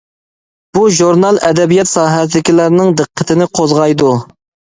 بۇ ژۇرنال ئەدەبىيات ساھەسىدىكىلەرنىڭ دىققىتىنى قوزغايدۇ.